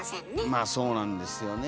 まあそうなんですよね。